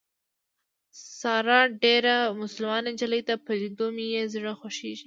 ساره ډېره مسلمان نجلۍ ده په لیدو مې یې زړه خوږېږي.